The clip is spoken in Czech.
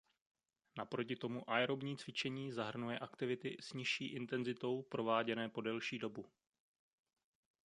Naproti tomu aerobní cvičení zahrnuje aktivity s nižší intenzitou prováděné po delší dobu.